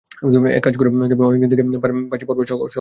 এক কাজ করা যাবে, অনেক দিন থেকে পারসি পড়বার শখ আমার আছে।